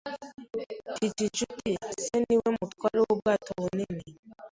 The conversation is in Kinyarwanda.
Mfite inshuti se niwe mutware wubwato bunini.